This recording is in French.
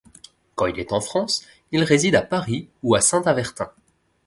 Quand il est en France, il réside à Paris ou à Saint-Avertin.